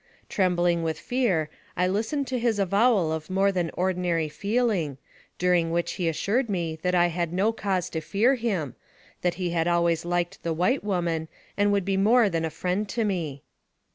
Trembling with fear, I listened to his avowal of more than ordinary feeling, during which he assured me that I had no cause to fear him that he had always liked the white woman, and would be more than a friend to me.